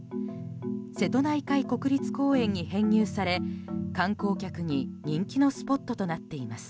瀬戸内海国立公園に編入され観光客に人気のスポットとなっています。